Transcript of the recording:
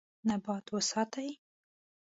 نبات وساتئ.